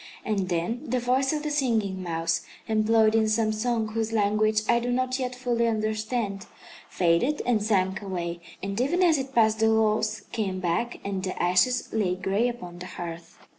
And then the voice of the Singing Mouse, employed in some song whose language I do not yet fully understand, faded and sank away; and even as it passed the walls came back and the ashes lay gray upon the hearth.